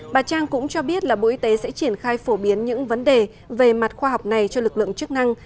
bà trang cũng cho biết là bộ y tế sẽ triển khai phổ biến những vấn đề về mặt khoa học này cho lực lượng chức năng